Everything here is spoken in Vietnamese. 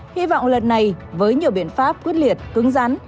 hy vọng lần này với nhiều biện pháp quyết liệt cứng rắn